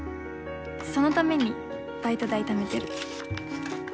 そのためにバイト代ためてる。